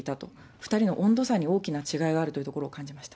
２人の温度差に大きな違いがあるというところを感じました。